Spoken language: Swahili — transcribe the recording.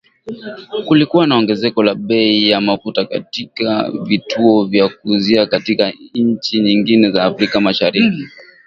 Kulikuwa na ongezeko la bei ya mafuta katika vituo vya kuuzia katika nchi nyingine za Afrika Mashariki.